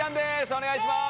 お願いします。